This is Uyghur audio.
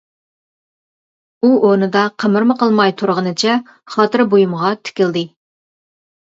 ئۇ ئورنىدا قىمىرمۇ قىلماي تۇرغىنىچە خاتىرە بۇيۇمغا تىكىلدى.